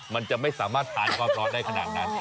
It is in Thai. มันจะไม่สามารถทานความร้อนได้ขนาดนั้น